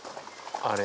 あれ。